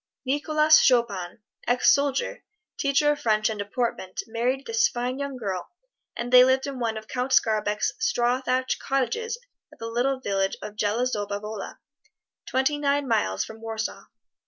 Nicholas Chopin, ex soldier, teacher of French and Deportment, married this fine young girl, and they lived in one of Count Skarbek's straw thatched cottages at the little village of Zelazowa Wola, twenty nine miles from Warsaw.